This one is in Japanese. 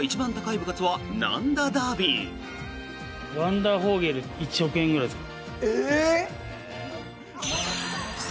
ワンダーフォーゲル１億円ぐらいですか。